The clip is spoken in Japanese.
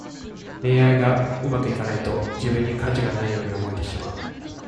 恋愛がうまくいかないと、自分に価値がないように思えてしまう。